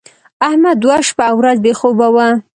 احمد دوه شپه او ورځ بې خوبه و.